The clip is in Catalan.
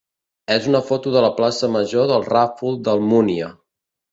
és una foto de la plaça major del Ràfol d'Almúnia.